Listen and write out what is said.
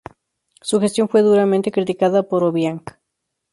Su gestión fue duramente criticada por Obiang.